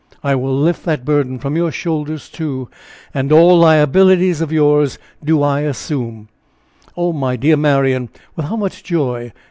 I will lift that burden from your shoulders, too, and all liabilities of yours do I assume oh! my dear Marian! with how much joy!